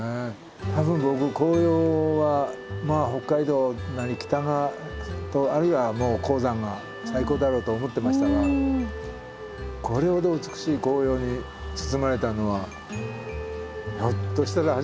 多分僕紅葉はまあ北海道なり北側あるいはもう高山が最高だろうと思ってましたがこれほど美しい紅葉に包まれたのはひょっとしたら初めてかもしれません。